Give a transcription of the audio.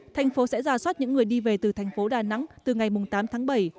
thành phố sẽ ra soát những người đi về từ thành phố đà nẵng từ ngày tám tháng bảy